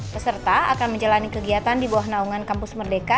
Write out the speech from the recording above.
peserta akan menjalani kegiatan di bawah naungan kampus merdeka